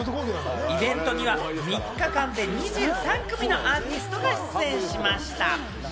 イベントには３日間で２３組のアーティストが出演しました。